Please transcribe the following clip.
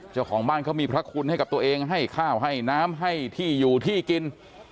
เจ้าของบ้านเขามีพระคุณให้กับตัวเองให้ข้าวให้น้ำให้ที่อยู่ที่กิน